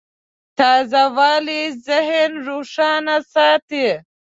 تازهوالی ذهن روښانه ساتي.